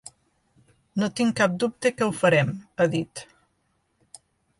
No tinc cap dubte que ho farem, ha dit.